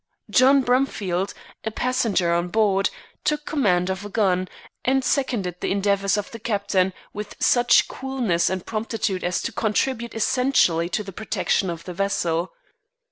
John Bromfield, a passenger on board, took command of a gun, and seconded the endeavors of the captain with such coolness and promptitude as to contribute essentially to the protection of the vessel.